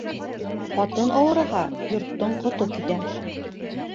Ҡатын ауырыһа, йорттоң ҡото китә.